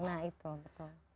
nah itu betul